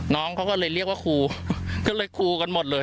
น้องเขาก็เลยเรียกว่าครูก็เลยครูกันหมดเลย